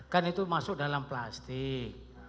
kan itu masuk dalam plastik